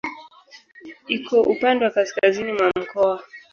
Ipo upande wa kaskazini mwa mkoa.